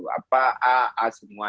apa a a semua